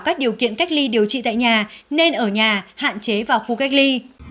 các điều kiện cách ly điều trị tại nhà nên ở nhà hạn chế vào khu cách ly